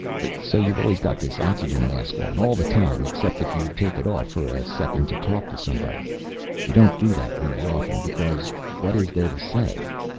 So you've always got this oxygen mask on, all the time, except if you take it off for a second to talk to somebody. You don't do that very often, because what is there to say?